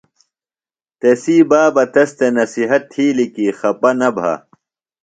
تسی بابہ تس تھےۡ نصیحت تِھیلیۡ کی خپہ نہ بھہ۔